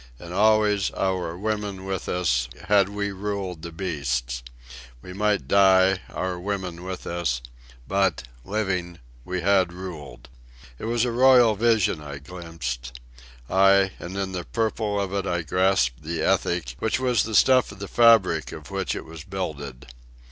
And always, our women with us, had we ruled the beasts. We might die, our women with us; but, living, we had ruled. It was a royal vision I glimpsed. Ay, and in the purple of it I grasped the ethic, which was the stuff of the fabric of which it was builded.